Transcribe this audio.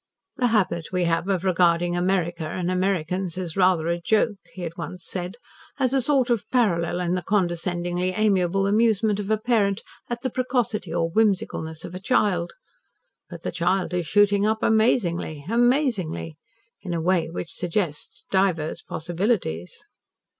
"The habit we have of regarding America and Americans as rather a joke," he had once said, "has a sort of parallel in the condescendingly amiable amusement of a parent at the precocity or whimsicalness of a child. But the child is shooting up amazingly amazingly. In a way which suggests divers possibilities."